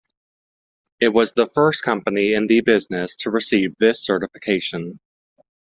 It was the first company in the business to receive this certification.